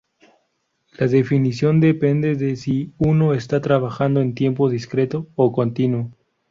La definición depende de si uno está trabajando en tiempo discreto o continuo.